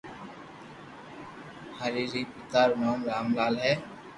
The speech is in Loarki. ھري ري پيتا رو نوم رام لال ھي